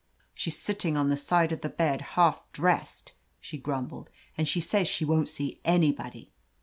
"She's sitting on the side of the bed, half dressed," she grumbled, "and she says she won't see anybody."